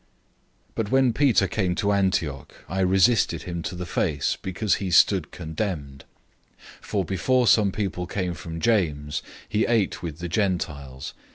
002:011 But when Peter came to Antioch, I resisted him to his face, because he stood condemned. 002:012 For before some people came from James, he ate with the Gentiles.